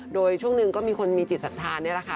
โดยช่วงหนึ่งก็มีคนมีจิตสัดทานเนี่ยละค่ะ